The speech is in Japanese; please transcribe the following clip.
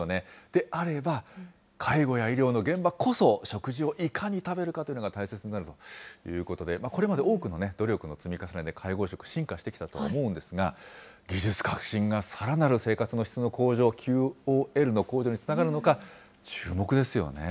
であれば、介護や医療の現場こそ、食事をいかに食べるかというのが大切になるということで、これまで多くの努力の積み重ねで介護食、進化してきたと思うんですが、技術革新がさらなる生活の質の向上、ＱＯＬの向上につながるのか、注目ですよね。